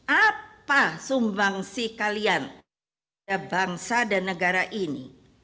apa sumbangsih kalian bagi bangsa dan negara ini